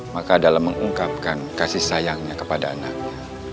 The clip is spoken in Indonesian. maka dalam mengungkapkan kasih sayangnya kepada anaknya